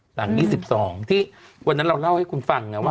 หลัง๒๒ที่วันนั้นเราเล่าให้คุณฟังนะว่า